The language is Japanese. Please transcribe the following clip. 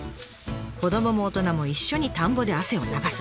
子どもも大人も一緒に田んぼで汗を流す。